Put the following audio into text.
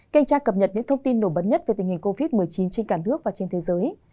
kênh tra cập nhật những thông tin nổi bật nhất về tình hình covid một mươi chín trên cả nước và trên thế giới